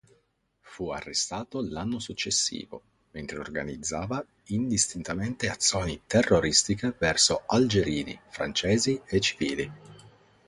Fu arrestato l'anno successivo, mentre organizzava, indistintamente azioni terroristiche verso algerini, francesi e civili.